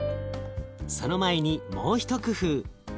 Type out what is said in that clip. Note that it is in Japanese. その前にもう一工夫。